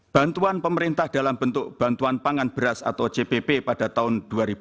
bantuan pemerintah dalam bentuk bantuan pangan beras atau cpp pada tahun dua ribu dua puluh